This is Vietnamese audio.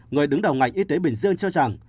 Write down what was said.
người đứng đầu ngành y tế bình dương cho rằng